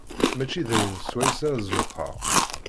Mačči d ayen swayes ara zuxxeɣ.